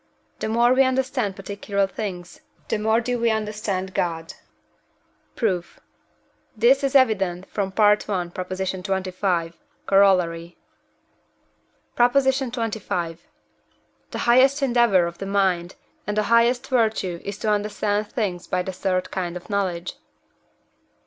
The more we understand particular things, the more do we understand God. Proof. This is evident from I. xxv. Coroll. PROP. XXV. The highest endeavour of the mind, and the highest virtue is to understand things by the third kind of knowledge.